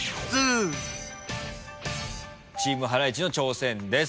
チームハライチの挑戦です。